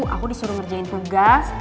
aku disuruh ngerjain tugas